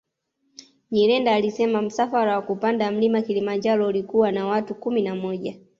Nyirenda alisema msafara wa kupanda Mlima Kilimanjaro ulikuwa na watu kumi na moja